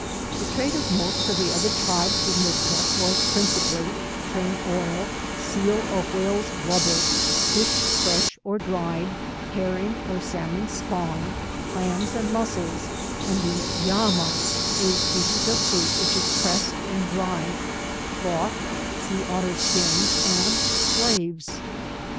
The trade of mo»t of the other tribes with Noot ka, was principally train oil, seal or whale's blub ber, fish fresh or dried, herring or salmon spawn, clams, and muscles, and the yama, a species of fruit which is pressed and dried, cloth, sea otter skins, and slaves.